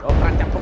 jokrat jatuh kapuk